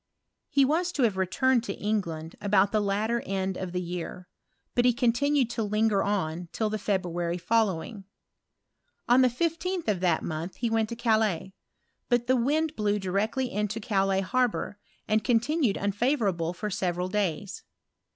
He was to have returned to England about the latter end of the year ; but he continued to linger on till the February following. On the 15th of that month he went to Calais ; but the wind blew directly into Calais harbour, and continued unfavourable for several days.